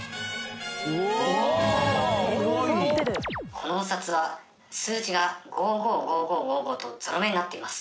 このお札は数字が「５５５５５５」とゾロ目になっています。